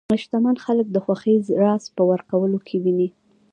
شتمن خلک د خوښۍ راز په ورکولو کې ویني.